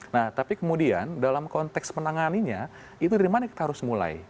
nah tapi kemudian dalam konteks menanganinya itu dari mana kita harus mulai